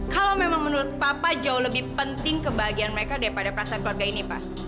kalau memang menurut papa jauh lebih penting kebahagiaan mereka daripada perasaan keluarga ini pak